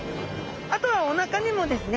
あとはおなかにもですね